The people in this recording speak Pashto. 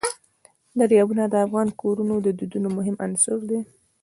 دریابونه د افغان کورنیو د دودونو مهم عنصر دی.